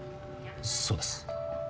そうです。